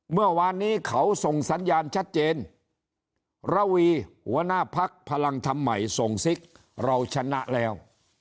เมื่อวานนี้เขาส่งสัญญาณชัดเจนระวีหัวหน้าพักพลังธรรมใหม่ส่งซิกเราชนะแล้ว